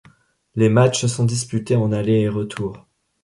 Les matchs sont disputés en aller et retour.